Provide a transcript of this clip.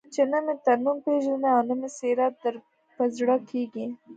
چې نه مې ته نوم پېژنې او نه مې څېره در په زړه کېږي.